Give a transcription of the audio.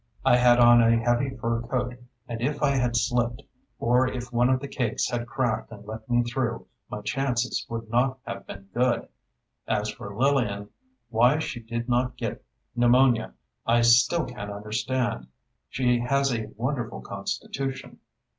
I had on a heavy fur coat, and if I had slipped, or if one of the cakes had cracked and let me through, my chances would not have been good. As for Lillian, why she did not get pneumonia, I still can't understand. She has a wonderful constitution.